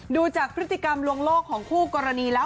ดูจากพฤติกรรมลวงโลกของคู่กรณีแล้ว